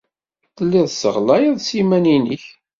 Tellid tesseɣlayed s yiman-nnek.